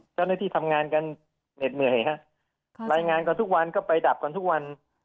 เจ้าหน้าที่ทำงานกันเหน็ดเหนื่อยฮะรายงานกันทุกวันก็ไปดับกันทุกวัน